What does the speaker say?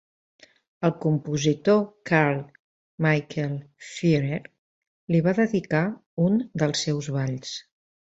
El compositor Karl Michael Ziehrer li va dedicar un dels seus balls.